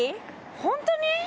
本当に？